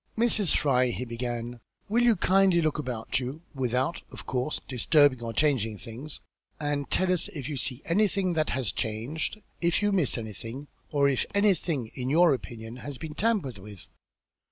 "Mrs. Fry," he began, "will you kindly look about you, without, of course, disturbing or changing things, and tell us if you see anything that has changed? If you miss anything, or if anything in your opinion, has been tampered with?